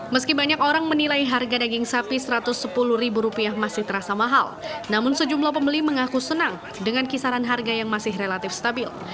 meski banyak orang menilai harga daging sapi rp satu ratus sepuluh masih terasa mahal namun sejumlah pembeli mengaku senang dengan kisaran harga yang masih relatif stabil